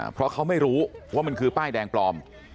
เพราะเขาไม่รู้ว่ามันคือป้ายแดงปลอม